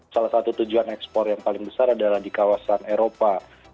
salah satu tujuan ekspor yang paling besar adalah di kawasan eropa